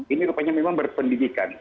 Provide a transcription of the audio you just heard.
ini rupanya memang berpendidikan